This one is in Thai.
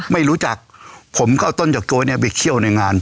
ไม่รู้จักผมก็เอาต้นจากโกยเนี่ยไปเคี่ยวในงาน